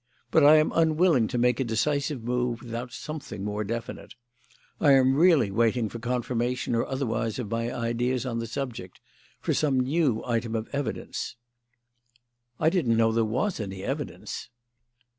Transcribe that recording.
But I am unwilling to make a decisive move without something more definite. I am really waiting for confirmation or otherwise of my ideas on the subject; for some new item of evidence." "I didn't know there was any evidence."